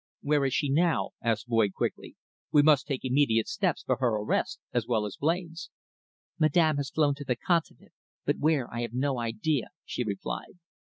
"Where is she now?" asked Boyd quickly. "We must take immediate steps for her arrest, as well as Blain's." "Madame has flown to the Continent, but where I have no idea," she replied.